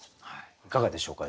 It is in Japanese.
いかがでしょうか？